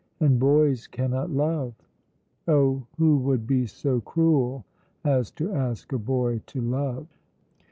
And boys cannot love. Oh, who would be so cruel as to ask a boy to love?